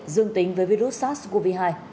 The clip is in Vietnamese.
dương tính với virus sars cov hai